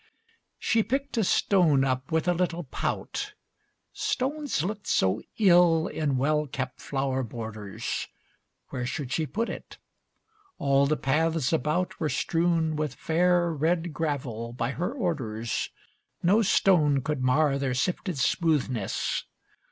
VI She picked a stone up with a little pout, Stones looked so ill in well kept flower borders. Where should she put it? All the paths about Were strewn with fair, red gravel by her orders. No stone could mar their sifted smoothness.